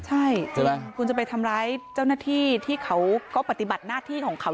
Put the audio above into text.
ใช่ใช่ไหมคุณจะไปทำร้ายเจ้าหน้าที่ที่เขาก็ปฏิบัติหน้าที่ของเขา